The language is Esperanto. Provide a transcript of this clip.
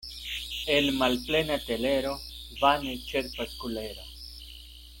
El malplena telero vane ĉerpas kulero.